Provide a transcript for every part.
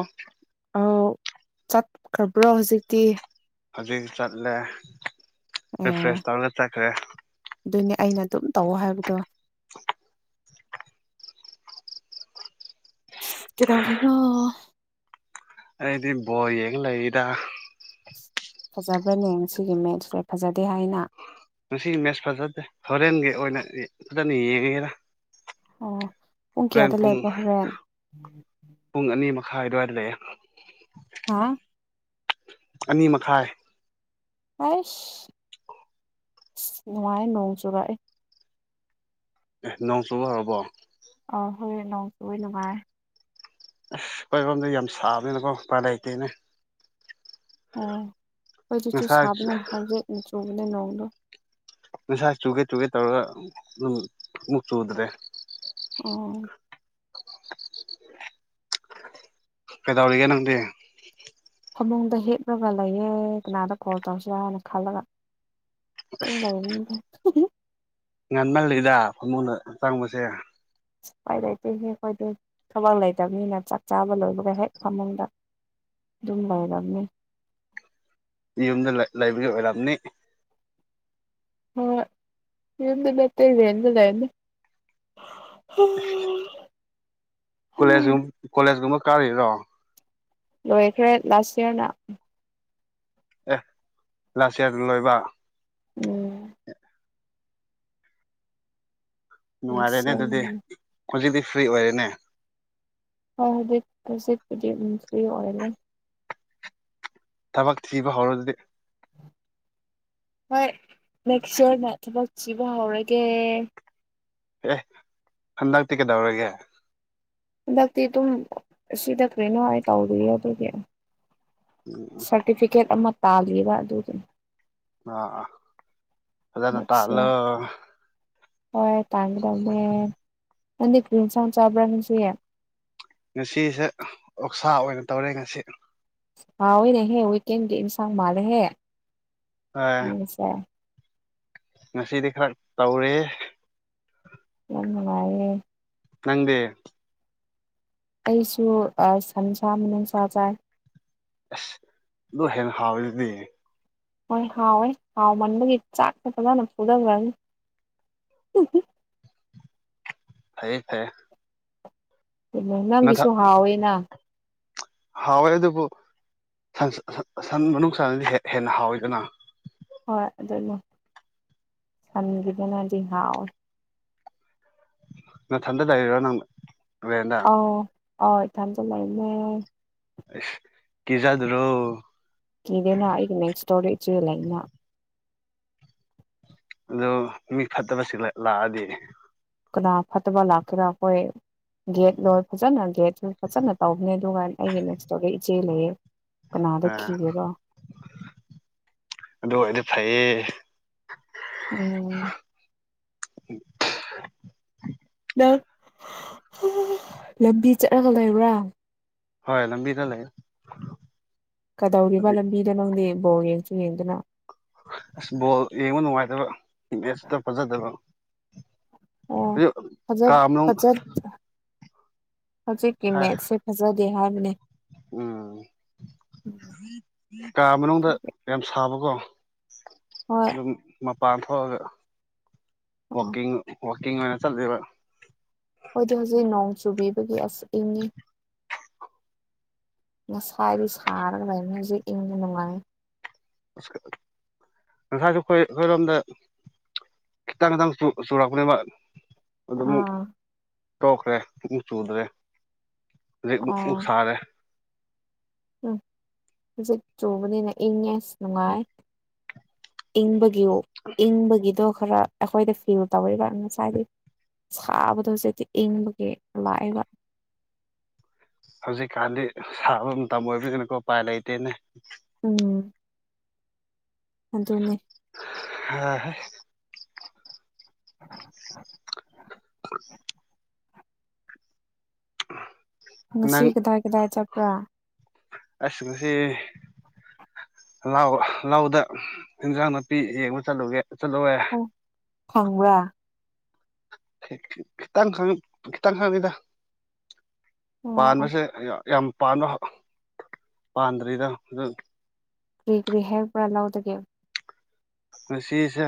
ꯑꯣ ꯑꯧ ꯆꯠꯈ꯭ꯔꯕ꯭ꯔꯣ ꯍꯧꯖꯤꯛꯇꯤ ꯍꯧꯖꯤꯛ ꯆꯠꯂꯦ ꯔꯤꯐ꯭ꯔꯦꯁ ꯇꯧꯔꯒ ꯆꯠꯈ꯭ꯔꯦ ꯑꯗꯨꯏꯅꯦ ꯑꯩꯅ ꯑꯗꯨꯝ ꯇꯧꯑꯣ ꯍꯥꯏꯕꯗꯣ ꯀꯩꯗꯧꯔꯤꯅꯣ ꯑꯩꯗꯤ ꯕꯣꯜ ꯌꯦꯡ ꯂꯩꯔꯤꯗ ꯐꯖꯕ꯭ꯔꯅꯦ ꯉꯁꯤꯒꯤ ꯃꯦꯠꯁꯁꯦ ꯐꯖꯗꯦ ꯍꯥꯏꯅ ꯉꯁꯤꯒꯤ ꯃꯦꯠꯁ ꯐꯖꯗꯦ ꯍꯣꯔꯦꯟꯒꯤ ꯑꯣꯏꯅ ꯐꯖꯅ ꯌꯦꯡꯉꯦꯔ ꯑꯣ ꯄꯨꯡ ꯍꯨꯔꯦꯟ ꯀꯌꯥꯗ ꯄꯨꯡ ꯂꯩꯕ꯭ꯔꯣ ꯍꯣꯔꯦꯟ ꯄꯨꯡ ꯑꯅꯤ ꯃꯈꯥꯏ ꯑꯗꯨꯋꯥꯏꯗ ꯂꯩꯑꯦ ꯍꯥ ꯑꯅꯤ ꯃꯈꯥꯏ ꯑꯩꯁ ꯅꯨꯡꯉꯥꯏ ꯅꯣꯡ ꯆꯨꯔꯛꯑꯦ ꯑꯦ ꯅꯣꯡ ꯆꯨꯕ ꯍꯧꯔꯕꯣ ꯑꯧ ꯍꯣꯏ ꯅꯣꯡ ꯆꯨꯏ ꯅꯨꯡꯉꯥꯏꯔꯦ ꯑꯁ ꯑꯩꯈꯣꯏꯔꯣꯝꯗ ꯌꯥꯝ ꯁꯥꯕꯅꯤꯅꯀꯣ ꯎꯄꯥꯏ ꯂꯩꯇꯦꯅꯦ ꯑꯣ ꯑꯩꯈꯣꯏ ꯆꯤꯆ ꯉꯁꯥꯏ ꯁꯥꯕꯅꯦ ꯍꯧꯖꯤꯛ ꯆꯨꯕꯅꯦ ꯅꯣꯡꯗꯣ ꯉꯁꯥꯏ ꯆꯨꯒꯦ ꯆꯨꯒꯦ ꯇꯧꯔꯒ ꯑꯗꯨꯝ ꯃꯨꯛ ꯆꯨꯗ꯭ꯔꯦ ꯑꯣ ꯀꯩꯗꯧꯔꯤꯒꯦ ꯅꯪꯗꯤ ꯐꯃꯨꯡꯗ ꯍꯤꯞꯂꯒ ꯂꯩꯌꯦ ꯀꯅꯥꯗ ꯀꯣꯜ ꯇꯧꯁꯤꯔꯥꯅ ꯈꯜꯂꯒ ꯇꯨꯝ ꯂꯩꯅꯤ ꯉꯟꯃꯜꯂꯤꯗ ꯐꯃꯨꯡꯗ ꯆꯪꯕꯁꯦ ꯎꯄꯥꯏ ꯂꯩꯇꯦ ꯍꯦ ꯑꯩꯈꯣꯏꯗꯦ ꯊꯕꯛ ꯂꯩꯇꯕꯅꯤꯅ ꯆꯥꯛ ꯆꯥꯕ ꯂꯣꯏꯕꯒ ꯍꯦꯛ ꯐꯃꯨꯡꯗ ꯑꯗꯨꯝ ꯕꯩꯔꯝꯅꯤ ꯌꯨꯝꯗ ꯂꯩꯕꯒꯤ ꯑꯣꯏꯔꯝꯅꯤ ꯍꯣꯏ ꯌꯨꯝꯗ ꯅꯠꯇꯦ ꯔꯦꯟꯠ ꯇ ꯂꯩꯅꯤ ꯍꯥ ꯀꯣꯂꯦꯖꯨꯝ ꯀꯣꯂꯦꯖꯀꯨꯝꯕ ꯀꯥꯔꯤꯔꯣ ꯂꯣꯏꯈ꯭ꯔꯦ ꯂꯥꯁ ꯏꯌꯥꯔꯅ ꯑꯦ ꯂꯥꯁ ꯏꯌꯥꯔꯗ ꯂꯣꯏꯕ ꯎꯝ ꯂꯥꯁ ꯅꯨꯡꯉꯥꯏꯔꯦꯅꯦ ꯑꯗꯨꯗꯤ ꯏꯌꯥꯔ ꯍꯧꯖꯤꯛꯇꯤ ꯐ꯭ꯔꯤ ꯑꯣꯏꯔꯦꯅꯦ ꯍꯣꯏ ꯍꯧꯖꯤꯛ ꯈꯖꯤꯠꯄꯨꯗꯤ ꯐ꯭ꯔꯤ ꯑꯣꯏꯔꯦ ꯊꯕꯛ ꯊꯤꯕ ꯍꯧꯔꯗꯤ ꯍꯣꯏ ꯅꯦꯛꯁ ꯏꯔꯅ ꯊꯕꯛ ꯊꯤꯕ ꯍꯧꯔꯒꯦ ꯑꯦ ꯍꯟꯗꯛꯇꯤ ꯀꯩꯗꯧꯔꯒꯦ ꯍꯟꯗꯛꯇꯤ ꯑꯗꯨꯝ ꯁꯤꯗ ꯀꯩꯅꯣ ꯍꯥꯏ ꯇꯧꯗꯣꯏꯌꯦ ꯑꯗꯨꯗꯤ ꯎꯝ ꯁꯥꯔꯇꯤꯐꯤꯀꯦꯠ ꯑꯃ ꯇꯥꯜꯂꯤꯕ ꯑꯗꯨꯗꯨꯅꯤ ꯑ ꯐꯖꯅ ꯅꯦꯛꯁ ꯇꯥꯂ ꯏꯌꯥꯔ ꯍꯣꯏ ꯇꯥꯟꯒꯗꯕꯅꯦ ꯅꯪꯗꯤ ꯀ꯭ꯔꯤꯟ ꯁ ꯆꯥꯕ꯭ꯔꯥ ꯉꯪꯁꯤ ꯉꯁꯤꯁꯦ ꯑꯣꯛꯁꯥ ꯑꯣꯏꯅ ꯇꯧꯔꯦ ꯉꯁꯤ ꯍꯥꯎꯑꯣꯏꯅꯦꯍꯦ ꯋꯤꯀꯦꯟꯒꯤ ꯏꯟꯁꯥꯡ ꯃꯥꯜꯂꯦꯍꯦ ꯑꯥ ꯎꯁꯦ ꯉꯁꯤꯗꯤ ꯈꯔ ꯇꯧꯔꯦ ꯌꯥꯝꯅꯨꯡꯉꯥꯏ ꯅꯪꯗꯦ ꯑꯩꯁꯨ ꯁꯟꯁꯥ ꯃꯁꯥ ꯆꯥꯏ ꯑꯁ ꯑꯗꯨꯣ ꯍꯦꯟꯅ ꯍꯥꯎꯋꯦ ꯑꯗꯨꯗꯤ ꯍꯣꯏ ꯍꯥꯎꯋꯦ ꯍꯥꯎꯃꯟꯕꯒꯤ ꯆꯥꯛꯁ ꯐꯖꯅ ꯁꯨꯊꯈ꯭ꯔꯅꯤ ꯍꯁ ꯑꯗꯨ ꯅꯪꯒꯤꯁꯨ ꯍꯥꯎꯋꯦꯅ ꯍꯋꯣꯏ ꯑꯗꯨꯕꯨ ꯁꯟ ꯃꯅꯨꯡ ꯁꯟꯗꯤ ꯍꯦꯟꯅ ꯍꯥꯎꯋꯤꯗꯅ ꯍꯣꯏ ꯑꯗꯨꯅ ꯁꯟꯈꯤꯗꯅꯗꯤ ꯍꯥꯎꯋꯤ ꯅ ꯊꯟꯗ ꯍꯥꯏꯔꯣ ꯅꯪ ꯑꯣ ꯍ ꯏ ꯊꯝꯁꯨꯂꯥꯏꯃꯦ ꯁ ꯀꯖ ꯑꯗꯨ꯭ꯔꯣ ꯀꯗꯦꯅ ꯑꯩꯒꯤ ꯅꯦꯛꯁ ꯇꯧꯗꯦꯛꯁꯨ ꯂꯩꯅ ꯑꯣ ꯃꯤ ꯐꯠꯇꯕꯕꯁꯤ ꯂꯥꯛꯑꯗꯤ ꯀꯅꯥ ꯐꯠꯇꯕ ꯂꯥꯛ ꯀꯅꯥ ꯀꯣꯏ ꯒꯦꯠ ꯂꯣꯏ ꯐꯖꯅ ꯒꯦꯠ ꯐꯖꯅ ꯇꯧꯕꯅꯦ ꯑꯗꯨꯒ ꯑꯩꯒꯤ ꯅꯦꯛꯁꯇꯨꯒꯤ ꯏꯆꯦ ꯂꯩꯌꯦ ꯀꯅꯥꯗ ꯑ ꯀꯤꯒꯦꯔꯣ ꯑꯗꯨ ꯑꯣꯏꯔꯗꯤ ꯐꯩꯌꯦ ꯑꯣꯝ ꯅꯪ ꯂꯝꯕꯤ ꯆꯠꯂꯒ ꯂꯩꯕ꯭ꯔꯥ ꯍꯣꯏ ꯂꯝꯕꯤꯗ ꯂꯩ ꯀꯗꯧꯔꯤꯕ ꯂꯝꯕꯤꯗ ꯅꯪꯗꯤ ꯕꯧ ꯌꯦꯡꯁꯨ ꯌꯦꯡꯗꯨꯅ ꯑꯁ ꯕꯣꯜ ꯌꯦꯡꯕ ꯅꯨꯡꯉꯥꯏꯇꯕ ꯃꯦꯠꯁꯇ ꯐꯖꯗꯕ ꯑꯣ ꯑꯗꯨ ꯀꯥ ꯐꯖꯠ ꯃꯅꯨꯡ ꯐꯖꯠ ꯍꯧꯖꯤꯛꯀꯤ ꯍꯥꯏ ꯃꯦꯠꯁꯦ ꯐꯖꯗꯦ ꯍꯥꯏꯕꯅꯦ ꯎꯝ ꯀꯥ ꯃꯅꯨꯡꯗ ꯌꯥꯝ ꯁꯥꯕꯀꯣ ꯍꯣꯏ ꯑꯗꯨꯝ ꯃꯄꯥꯟ ꯊꯣꯛꯑꯒ ꯑꯣ ꯋꯀꯤꯡ ꯋꯥꯛꯀꯤꯡ ꯑꯣꯏꯅ ꯆꯠꯂꯤꯕ ꯍꯣꯏꯗꯤ ꯍꯧꯖꯤꯛ ꯅꯣꯡ ꯆꯨꯕꯤꯕꯒꯤ ꯑꯁ ꯏꯪꯉ ꯅ ꯁꯥꯏꯔꯤ ꯁꯔ ꯂꯥꯏꯅꯁꯨꯦ ꯏꯪꯕ ꯅꯨꯡꯉꯥꯏ ꯉꯁꯥꯏꯁꯨꯈꯣꯏ ꯑꯩꯈꯣꯏꯔꯣꯝꯗ ꯈꯤꯇꯪ ꯈꯤꯇꯥꯡ ꯆ ꯆꯣꯔꯥꯈꯅꯦꯕ ꯑꯗꯨ ꯑꯃꯨꯛ ꯑꯥ ꯇꯣꯛꯈ꯭ꯔꯦ ꯑꯃꯨꯛ ꯆꯨꯗ꯭ꯔꯦ ꯍꯧꯖꯤꯛ ꯑꯃꯨꯛ ꯑꯣ ꯑꯃꯨꯛ ꯁꯥꯔꯦ ꯎꯝ ꯍꯧꯖꯤꯛ ꯆꯨꯕꯅꯤꯅ ꯏꯪꯉꯦ ꯑꯁ ꯅꯨꯡꯉꯥꯏ ꯏꯪꯕꯒꯤ ꯏꯪꯕꯒꯤꯗꯣ ꯈꯔꯥ ꯑꯩꯈꯣꯏꯗ ꯐꯤꯜ ꯇꯧꯔꯤꯕ ꯉꯁꯥꯏꯗꯤ ꯁꯥꯕꯗꯣ ꯍꯧꯖꯤꯛꯇꯤ ꯏꯪꯕꯒꯤ ꯅꯨꯉꯥꯏ ꯍꯧꯖꯤꯛꯀꯥꯟꯗꯤ ꯁꯥꯕ ꯃꯇꯝ ꯑꯣꯏꯕꯅꯤꯅꯀꯣ ꯎꯄꯥꯏ ꯂꯩꯇꯦꯅꯦ ꯎꯝ ꯑꯗꯨꯅꯦ ꯍꯥ [unintelligible] ꯉꯁꯤ ꯅꯪ ꯀꯗꯥꯏ ꯀꯗꯥꯏ ꯆꯠꯄ꯭ꯔꯥ ꯑꯁ ꯉꯥꯁꯤ ꯂꯧ ꯂꯧꯗ ꯏꯟꯖꯥꯡ ꯅꯥꯄꯤ ꯌꯦꯡꯕ ꯆꯠꯂꯨꯒꯦ ꯆꯠꯂꯨꯏꯌꯦ ꯑꯣ ꯐꯪꯕ꯭ꯔꯥ ꯈꯤꯇꯪ ꯈꯪ ꯈꯤꯇꯪ ꯈꯛꯅꯤꯗ ꯑꯣ ꯑꯣ ꯄꯥꯟꯕꯁꯦ ꯌꯥꯝ ꯄꯥꯟꯕ ꯄꯥꯟꯗ꯭ꯔꯤꯗ ꯑꯗꯨ ꯀꯔꯤ ꯀꯔꯤ ꯍꯦꯛꯄ꯭ꯔꯥ ꯂꯧꯗꯒꯤ ꯉꯁꯤꯁꯦ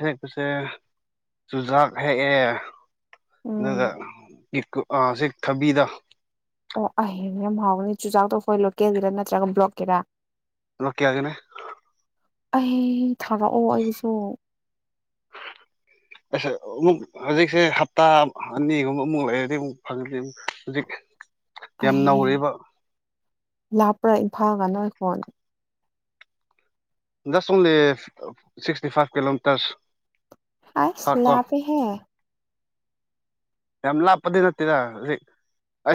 ꯍꯦꯛꯄꯁꯦ ꯆꯨꯖꯥꯛ ꯍꯦꯛꯑꯦ ꯎꯝ ꯑꯗꯨꯒ ꯁꯤ ꯊꯥꯕꯤꯗꯣ ꯑꯣ ꯑꯩ ꯌꯥꯝ ꯍꯥꯎꯒꯥꯅꯤ ꯆꯨꯖꯥꯛꯇꯣ ꯑꯩꯈꯣꯏ ꯂꯣꯀꯦꯜꯒꯤꯔ ꯅꯠꯇ꯭ꯔꯒ ꯕ꯭ꯂꯣꯛꯀꯤꯔꯥ ꯂꯣꯀꯦꯜ ꯒꯤ ꯑꯩ ꯊꯥꯔꯛꯑꯣ ꯑꯩꯒꯤꯁꯨ [unintelligible] ꯍꯧꯖꯤꯛꯁꯦ ꯍꯞꯇꯥ ꯑꯅꯤꯒꯨꯝꯕ ꯑꯃꯨꯛ ꯂꯩꯔꯗꯤ ꯑꯃꯨꯛ ꯐꯪꯒꯤꯅꯤ ꯍꯧꯖꯤꯛ ꯌꯥꯝ ꯑꯩ ꯅꯧꯔꯤꯕ ꯂꯥꯞꯄ꯭ꯔꯥ ꯏꯝꯐꯥꯜ ꯒꯥ ꯅꯣꯏꯒꯥ ꯁꯤꯛꯁꯇꯤ ꯐꯥꯏꯚ ꯀꯤꯂꯣꯃꯤꯇꯔ ꯑꯁ ꯂꯥꯞꯞꯦ ꯍꯦ ꯌꯥꯝ ꯂꯥꯞꯄꯗꯤ ꯅꯠꯇꯦꯗ ꯍꯧꯖꯤꯛ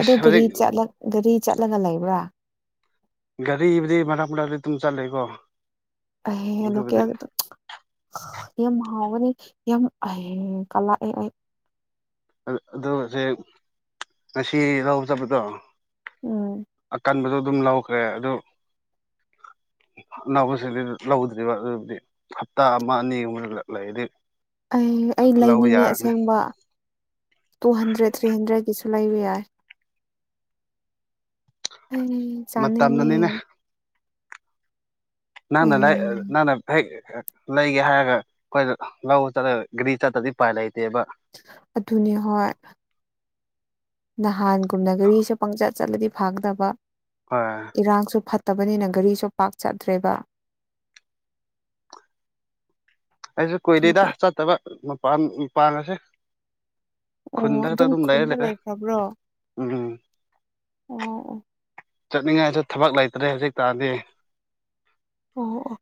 ꯑꯗꯨ ꯒꯥꯔꯤ ꯍꯧꯖꯤꯛ ꯒꯥꯔꯤ ꯆꯠꯂꯒꯥ ꯂꯩꯕ꯭ꯔꯥ ꯒꯥꯔꯤꯕꯨꯗꯤ ꯃꯔꯛ ꯃꯔꯛꯇꯥ ꯑꯗꯨꯝ ꯆꯠꯂꯦꯀꯣ ꯑꯗꯨꯕꯨꯗꯤ [unintelligible] ꯌꯥꯝ ꯍꯥꯎꯒꯅꯤ ꯌꯥꯝ ꯀꯂꯛ‍ꯑꯦ ꯑꯗꯨ ꯍꯧꯖꯤꯛ ꯉꯥꯁꯤ ꯂꯧ ꯆꯠꯄꯗꯣ ꯎꯝ ꯑꯥꯀꯟꯕꯗꯣ ꯑꯗꯨꯝ ꯂꯧꯈ꯭ꯔꯦ ꯑꯗꯨ ꯑꯅꯧꯕꯁꯤꯡꯗꯤ ꯂꯧꯗ꯭ꯔꯤꯕ ꯑꯗꯨꯕꯨꯗꯤ ꯍꯞꯇꯥ ꯑꯃ ꯑꯅꯤꯒꯨꯝ ꯂꯩꯒꯅꯤ ꯑꯩ ꯑꯩ ꯂꯩꯅꯤꯡꯉꯦ ꯑꯁꯦꯡꯕ ꯇꯨ ꯍꯟꯗ꯭ꯔꯦꯠ ꯊ꯭ꯔꯤ ꯍꯟꯗ꯭ꯔꯦꯠꯀꯤꯁꯨ ꯂꯩꯕ ꯌꯥꯏ ꯆꯥꯟꯅꯤꯡꯉꯦ ꯃꯇꯝꯅꯅꯤꯅꯦ ꯑꯦ [unintelligible] ꯍꯦꯛ ꯂꯩꯒꯦ ꯍꯥꯏꯔꯒ ꯑꯩꯈꯣꯏ ꯂꯧ ꯆꯠꯂꯥꯒ ꯒꯥꯔꯤ ꯆꯠꯇꯥꯗꯤ ꯎꯄꯥꯏ ꯂꯩꯇꯦꯕ ꯑꯗꯨꯅꯤ ꯍꯣꯏ ꯅꯍꯥꯟꯒꯨꯝꯅ ꯒꯥꯔꯤꯁꯦ ꯄꯪꯆꯠ ꯆꯠꯂꯗꯤ ꯐꯥꯒꯗꯕ ꯍꯣꯏ ꯏꯔꯥꯡꯁꯨ ꯐꯠꯇꯕꯅꯤꯅ ꯒꯥꯔꯤꯁꯨ ꯄꯥꯛ ꯆꯠꯇ꯭ꯔꯦꯕ ꯑꯩꯁꯨ ꯀꯨꯏꯗꯦꯗ ꯑꯗꯨꯒꯤ ꯆꯠꯇꯕ ꯃꯄꯥꯟ ꯃꯄꯥꯟꯒꯥꯁꯦ ꯑꯣ ꯈꯨꯟꯗꯥ ꯑꯗꯨꯝ ꯈꯨꯟꯗ ꯂꯩꯔ ꯂꯩꯈ꯭ꯔꯕ꯭ꯔꯣ ꯎꯝ ꯑꯣ ꯑꯣ ꯆꯠꯅꯤꯡꯉꯥꯏꯁꯨ ꯊꯕꯛ ꯂꯩꯇ꯭ꯔꯦ ꯍꯧꯖꯤꯛ ꯀꯥꯟꯗꯤ ꯑꯣ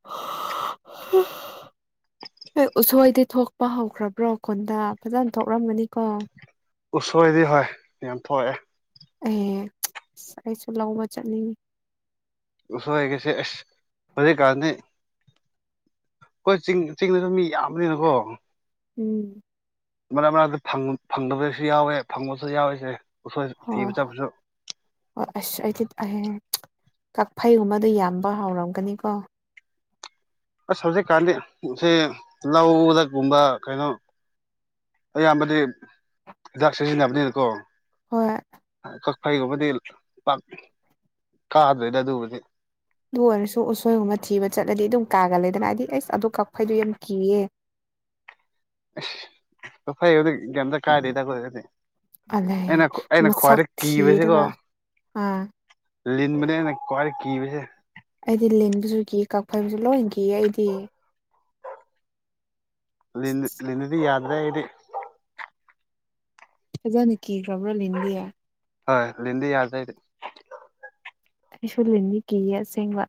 ꯑꯣ ꯎꯁꯣꯏꯗꯤ ꯊꯣꯛꯄ ꯍꯧꯈ꯭ꯔꯕ꯭ꯔꯣ ꯈꯨꯟꯗꯥ ꯐꯥꯖꯅ ꯊꯣꯛꯂꯝꯒꯅꯤꯀꯣ ꯎꯁꯣꯏꯗꯤ ꯍꯣꯏ ꯌꯥꯝ ꯊꯣꯛꯑꯦ ꯑꯦ ꯑꯩꯁꯨ ꯂꯧꯕ ꯆꯠꯅꯤꯡꯉꯦ ꯎꯁꯣꯏ ꯒꯥꯁꯦ ꯑꯁ ꯍꯨꯖꯤꯛ ꯀꯥꯟꯗꯤ ꯑꯣꯏ ꯆꯤꯡ ꯆꯤꯡꯗꯁꯨ ꯃꯤ ꯌꯥꯝꯕꯅꯤꯅꯀꯣ ꯎꯝ ꯃꯔꯛ ꯃꯔꯛꯇ ꯐꯪꯗꯕꯗꯁꯨ ꯌꯥꯎꯋꯦ ꯐꯪꯕꯁꯨ ꯌꯥꯎꯋꯦ ꯎꯁꯣꯏ ꯊꯤꯕ ꯆꯠꯄꯁꯨ ꯑꯣ ꯑꯁ ꯑꯩꯗꯤ ꯐꯩꯍꯦ ꯀꯐꯩꯒꯨꯝꯕꯗ ꯌꯥꯝꯕ ꯍꯥꯎꯔꯝꯒꯅꯤꯀꯣ ꯑꯁ ꯍꯧꯖꯤꯛꯀꯥꯟꯗꯤ ꯂꯧꯗꯛꯒꯨꯝꯕ ꯀꯩꯅꯣ ꯑꯌꯥꯝꯕꯗꯤ ꯍꯤꯗꯥꯛ ꯁꯤꯖꯤꯟꯅꯕꯅꯤꯅꯀꯣ ꯍꯣꯏ ꯀꯛꯐꯩꯒꯨꯝꯕꯗꯤ ꯄꯛ ꯀꯥꯗ꯭ꯔꯦꯏꯗ ꯑꯗꯨꯕꯨꯗꯤ ꯑꯗꯨ ꯑꯣꯏꯔꯁꯨ ꯎꯁꯣꯏꯒꯨꯝꯕ ꯊꯤꯕ ꯆꯠꯂꯗꯤ ꯑꯗꯨꯝ ꯀꯥꯒꯜꯂꯦꯗꯅ ꯍꯥꯏꯗꯤ ꯑꯩꯁ ꯑꯗꯨ ꯀꯛꯄꯩꯗꯨ ꯌꯥꯝ ꯀꯤꯌꯦ ꯀꯛꯐꯥꯏꯗꯤ ꯀꯔꯤꯝꯗ ꯀꯥꯏꯗꯦꯗ ꯑꯩꯈꯣꯏꯗꯗꯤ ꯑꯂꯩ ꯑꯩꯅ ꯑꯩꯅ ꯃꯁꯛ ꯈ꯭ꯋꯥꯏꯗ ꯀꯤꯕꯁꯤꯀꯣ ꯊꯤꯔꯒ ꯑꯥ ꯂꯤꯟꯕꯨꯅꯦ ꯑꯩꯅ ꯈꯋꯥꯏ ꯀꯤꯕꯁꯦ ꯑꯩꯗꯤ ꯂꯤꯟꯕꯁꯨ ꯀꯤ ꯀꯛꯐꯕꯁꯨ ꯂꯣꯏ ꯀꯤ ꯑꯩꯗꯤ ꯂꯤꯟ ꯂꯤꯟꯅꯗꯤ ꯌꯥꯗ꯭ꯔꯦ ꯑꯩꯗꯤ ꯐꯖꯅ ꯀꯤꯈꯔꯕꯣ ꯂꯤꯟꯗꯤ ꯍꯣꯏ ꯂꯤꯟꯗꯤ ꯌꯥꯗꯦ ꯑꯩꯁꯨ ꯂꯤꯟꯗꯤ ꯀꯤꯌꯦ ꯑꯁꯦꯡꯕ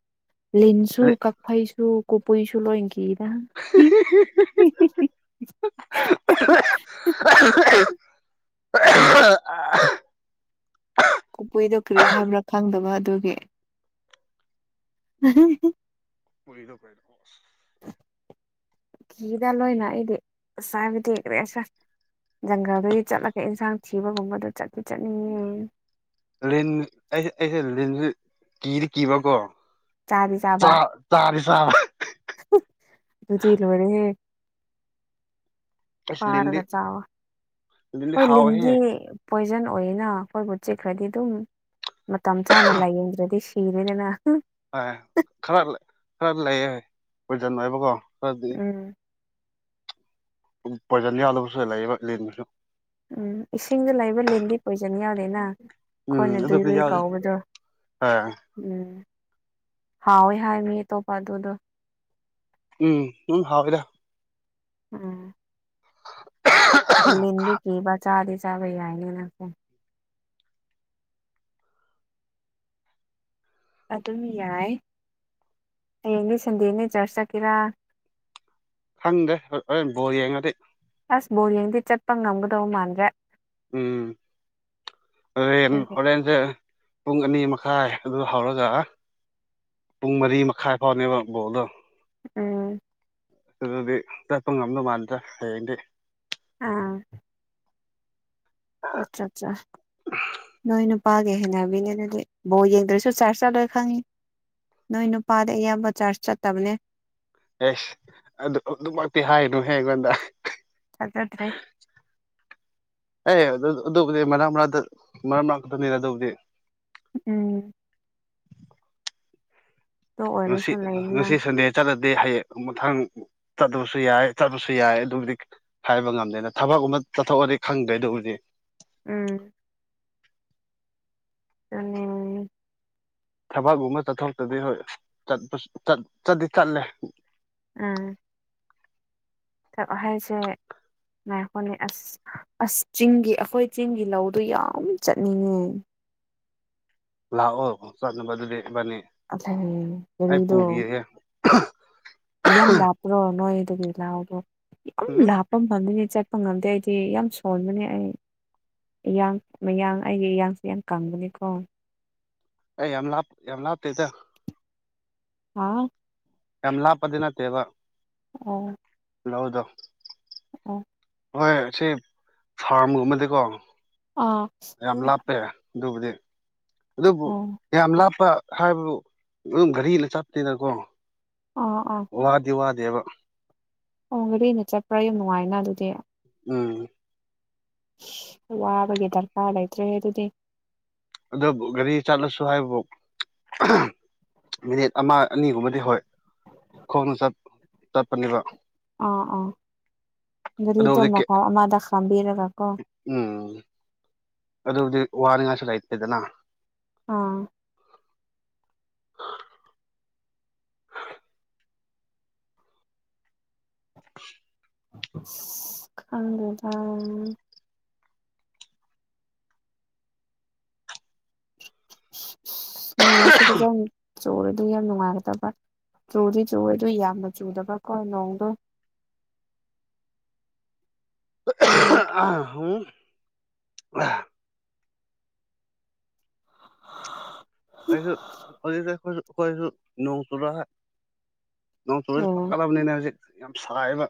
ꯂꯤꯟꯁꯨ ꯀꯛꯐꯩꯁꯨ ꯀꯨꯄꯨꯁꯨ ꯂꯣ ꯀꯤꯗ ꯎꯝ [unintelligible] ꯑꯩꯁ ꯀꯨꯄꯨꯏꯗꯨ ꯀ꯭ꯔꯤ ꯍꯥꯏꯕ꯭ꯔꯥ ꯈꯪꯗꯕ ꯑꯗꯨꯒꯤ ꯎꯔꯤꯗꯣ ꯀꯩ [unintelligible] ꯂꯣꯏꯅ ꯑꯩꯒꯤ ꯁꯥꯟꯇꯤꯒꯔꯦꯁꯟ ꯖꯪꯒꯜꯗꯒꯤ ꯆꯠꯂꯒ ꯏꯟꯁꯥꯡ ꯊꯤꯕꯒꯨꯝꯕꯗꯣ ꯆꯠꯇꯄꯨ ꯆꯠꯅꯤꯡꯉꯦ ꯂꯤꯟ ꯑꯩꯁꯦ ꯑꯩꯁꯦ ꯂꯤꯟꯁꯨ ꯀꯤꯗꯤ ꯀꯤꯕꯀꯣ ꯆꯥꯗꯤ ꯆꯥꯕ ꯆꯥ ꯆꯥꯗꯤ ꯆꯥꯕ ꯑꯨꯆꯤ ꯂꯣꯏꯔꯅꯦ ꯑꯁ ꯂꯤꯟꯗꯤ ꯎꯔꯒ ꯆꯥꯎ ꯂꯤꯟꯗꯤ ꯑꯩꯈꯣꯏ ꯂꯤꯟꯒꯤ ꯍꯥꯎꯋꯦꯍꯦ ꯄꯣꯏꯖꯟ ꯑꯣꯏꯅ ꯑꯩꯈꯣꯏꯕꯨ ꯆꯤꯛꯈ꯭ꯔꯗꯤ ꯑꯗꯨꯝ ꯃꯇꯝ ꯆꯥꯅ ꯂꯥꯏꯌꯦꯡꯗ꯭ꯔꯗꯤ ꯁꯤꯔꯦꯗꯅ ꯍꯣꯏ ꯍꯣꯏ ꯈꯔ ꯈꯔ ꯂꯩꯑ ꯄꯣꯏꯖꯟ ꯑꯣꯏꯕꯀꯣ ꯎꯝ ꯄꯣꯏꯖꯥꯟ ꯌꯥꯎꯇꯕꯁꯨ ꯂꯩꯕ ꯂꯤꯟꯁꯨ ꯎꯝ ꯏꯁꯤꯡꯗ ꯂꯥꯏꯕ ꯂꯤꯟꯗꯤ ꯄꯣꯏꯖꯟ ꯌꯥꯎꯗꯦꯅ ꯎꯝ ꯑꯩꯈꯣꯏꯅ ꯑꯗꯨꯕꯨꯗꯤ ꯑꯗꯨꯏꯔꯣꯏ ꯌꯥꯎꯗꯦ ꯀꯥꯎꯕꯗ꯭ꯔꯣ ꯑꯥ ꯎꯝ ꯍꯥꯎꯋꯦ ꯍꯥꯏ ꯃꯤ ꯑꯇꯣꯞꯄ ꯑꯗꯨꯗꯣ ꯎꯝ ꯎ ꯍꯥꯎꯗ ꯎꯝ ꯂꯗꯤ ꯀꯤꯕ ꯆꯥꯗꯤ ꯆꯥꯕ ꯌꯥꯏꯅꯦ ꯅꯪꯀꯣ ꯑꯗꯨꯝ ꯌꯥꯏ ꯍꯌꯦꯡꯗꯤ ꯁꯟꯗꯦꯅꯦ ꯆꯔꯁ ꯆꯠꯀꯦꯔꯥ ꯈꯪꯗꯦ ꯍꯣ ꯍꯣꯔꯦꯟ ꯕꯣꯔ ꯌꯦꯡꯉꯗꯤ ꯑꯁ ꯕꯣꯜꯌꯦꯡꯕꯗꯤ ꯆꯠꯄ ꯉꯝꯒꯗꯧ ꯃꯥꯟꯗ꯭ꯔꯦ ꯎꯝ ꯑꯗꯨꯒꯤ ꯍꯣꯔꯦꯟꯁꯦ ꯄꯨꯡ ꯑꯅꯤ ꯃꯈꯥꯏ ꯑꯗꯨ ꯍꯧꯔꯒ ꯄꯨꯡ ꯃꯔꯤ ꯃꯈꯥꯏ ꯐꯥꯎꯅꯦꯕ ꯕꯣꯜꯗꯣ ꯎꯝ ꯑꯗꯨꯗꯤ ꯆꯠꯄ ꯉꯝꯗꯧ ꯃꯥꯟꯗ꯭ꯔꯥ ꯍꯌꯦꯡꯗꯤ ꯑꯥ ꯑꯆꯥ ꯑꯠꯆꯥ ꯅꯣꯏꯅꯨ ꯅꯨꯄꯥꯒꯤ ꯍꯦꯟꯅꯕꯤꯅꯦ ꯑꯗꯨꯗꯤ ꯕꯣ ꯌꯦꯡꯗ꯭ꯔꯁꯨ ꯆꯥꯔꯖ ꯆꯥꯂꯣꯏ ꯈꯪꯉꯤ ꯅꯣꯏ ꯅꯨꯄꯥꯗꯤ ꯑꯌꯥꯝꯕ ꯆꯥꯔꯖ ꯆꯠꯇꯕꯅꯦ ꯑꯦꯁ ꯑꯗꯨ ꯑꯗꯨꯃꯛꯇꯤ ꯍꯥꯏꯅꯨꯍꯦ ꯑꯩꯉꯣꯟꯗ ꯊꯥꯖꯗ꯭ꯔꯦ ꯑꯦ ꯑꯗꯨ ꯑꯗꯨꯕꯨꯗꯤ ꯃꯔꯛ ꯃꯔꯛꯇ ꯃꯔꯛ ꯃꯔꯛꯇ ꯈꯛꯇꯅꯤ ꯑꯗꯨꯕꯨꯗꯤ ꯎꯝ ꯑꯗꯨ ꯉꯁꯤ ꯑꯣꯏꯔꯁꯨ ꯂꯩꯗꯅ ꯉꯁꯤ ꯁꯟꯗꯦ ꯆꯠꯂꯗꯤ ꯍꯌꯦꯡ ꯃꯊꯪ ꯆꯠꯇꯕꯁꯨ ꯌꯥꯏ ꯆꯠꯂꯁꯨ ꯌꯥꯏ ꯑꯗꯨꯒꯤꯗꯤ ꯍꯥꯏꯕ ꯉꯝꯗꯦꯅ ꯊꯕꯛ ꯒꯨꯝꯕ ꯆꯠꯊꯣꯛꯑꯗꯤ ꯈꯪꯗ꯭ꯔꯦꯗ ꯑꯗꯨꯕꯨꯗꯤ ꯎꯝ [unintelligible] ꯊꯕꯛꯒꯨꯝꯕ ꯆꯠꯊꯣꯛꯇ꯭ꯔꯗꯤ ꯍꯣꯏ ꯆꯠꯄ ꯆꯠꯇꯤ ꯆꯠꯂꯦ ꯑꯝ [unintelligible] ꯍꯥꯏꯁꯦ ꯥꯉꯥꯏꯈꯣꯅꯦ ꯑꯁ ꯑꯁ ꯆꯤꯡꯒꯤ ꯑꯩꯈꯣꯏ ꯆꯤꯡꯒꯤ ꯂꯧꯗꯨ ꯌꯥꯝꯅ ꯆꯠꯅꯤꯡꯉꯦ ꯂꯥꯛꯑꯣ ꯆꯠꯅꯕ ꯑꯗꯨꯗꯤ ꯏꯕꯅꯤ ꯑꯩ ꯒꯥꯔꯤꯗꯣ ꯄꯨꯕꯤꯔꯒꯦ ꯌꯥꯝ ꯂꯥꯞꯄ꯭ꯔꯣ ꯅꯣꯏ ꯑꯗꯨꯗꯒꯤ ꯂꯥꯎꯗꯣ ꯑꯗꯨꯝ ꯎꯝ ꯂꯥꯞ ꯃꯐꯝꯐꯝꯗꯅꯤ ꯆꯠꯄ ꯉꯝꯗꯦ ꯑꯩꯗꯤ ꯌꯥꯝ ꯁꯣꯟꯕꯅꯦ ꯑꯩ ꯏꯌꯥꯡ ꯃꯌꯥꯡ ꯑꯩꯒꯤ ꯏꯌꯥꯡꯁꯦ ꯌꯥꯝ ꯀꯪꯕꯅꯤꯀꯣ ꯑꯦ ꯌꯥꯝ ꯂꯥꯞ ꯌꯥꯝ ꯂꯥꯞꯇꯦꯗ ꯍꯥꯥ ꯌꯥꯝ ꯂꯥꯞꯄꯗꯤ ꯅꯠꯇꯦꯕ ꯑꯣ ꯥꯂꯧꯗꯣ ꯑꯣ ꯍꯣꯏ ꯑꯁꯤ ꯐꯥꯔꯝꯒꯨꯝꯕꯗꯤꯀꯣ ꯑꯥ ꯌꯥꯝ ꯂꯥꯞꯄꯦ ꯑꯗꯨꯕꯨꯗꯤ ꯑꯗꯨꯕꯨ ꯑꯣ ꯌꯥꯝ ꯂꯥꯞꯄ ꯍꯥꯏꯕꯕꯨ ꯑꯗꯨꯝ ꯒꯥꯔꯤꯅ ꯆꯠꯇꯦꯗꯀꯣ ꯑꯥ ꯑꯥ ꯋꯥꯗꯤ ꯋꯥꯗꯦꯕ ꯑꯣ ꯒꯥꯔꯤꯅ ꯆꯠꯄ꯭ꯔꯥ ꯌꯥꯝ ꯅꯨꯡꯉꯥꯏꯅ ꯑꯗꯨꯗꯤ ꯎꯝ ꯋꯥꯕꯒꯤ ꯗꯔꯀꯥꯔ ꯂꯩꯇ꯭ꯔꯦ ꯑꯗꯨꯗꯤ ꯑꯗꯣꯕꯨ ꯒꯥꯔꯤ ꯆꯠꯂꯁꯨ ꯍꯥꯏꯕꯕꯨ ꯃꯤꯅꯤꯠ ꯑꯃ ꯑꯅꯤꯒꯨꯝꯕꯗꯤ ꯍꯣꯏ ꯈꯣꯡꯅ ꯆꯠ ꯆꯠꯄꯅꯦꯕ ꯑꯥ ꯑꯥ ꯒꯥꯔꯤꯗꯣ ꯑꯗꯨꯕꯨꯗꯤ ꯀꯦ ꯃꯇꯥꯏ ꯑꯃꯗ ꯈꯥꯝꯕꯤꯔꯒ ꯀꯣ ꯎꯝ ꯑꯗꯨꯕꯨꯗꯤ ꯋꯥꯅꯤꯡꯉꯥꯏꯁꯨ ꯂꯩꯇꯦꯗꯅ ꯑꯥ [unintelligible] ꯑꯁ ꯈꯪꯗꯦꯗ ꯅꯣꯡꯁꯤ ꯐꯖ ꯆꯨꯔꯗꯤ ꯌꯥꯝ ꯅꯨꯡꯉꯥꯏꯒꯗꯕꯥ ꯆꯨꯗꯤ ꯆꯨꯦ ꯑꯗꯨ ꯌꯥꯝꯅ ꯆꯨꯗꯕꯀꯣ ꯅꯣꯡꯗꯣ [unintelligible] ꯑ [unintelligible] ꯑꯩꯁꯨ ꯍꯧꯖꯤꯛꯁꯨ ꯑꯩꯈꯣꯏꯁꯨ ꯅꯣꯡ ꯆꯔꯛꯑ ꯅꯣꯡ ꯆꯨꯔꯗꯤ ꯎꯝ ꯐꯒꯗꯕꯅꯤꯅꯦ ꯍꯧꯖꯤꯛ ꯌꯥꯝ ꯁꯥꯏꯕ